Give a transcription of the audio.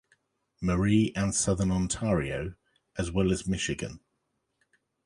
Marie and southern Ontario, as well as Michigan.